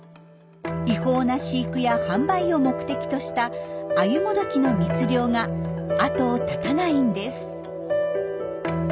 違法な飼育や販売を目的としたアユモドキの密漁が後を絶たないんです。